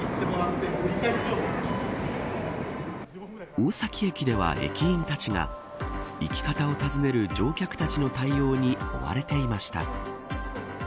大崎駅では駅員たちが行き方を尋ねる乗客たちの対応に追われていました。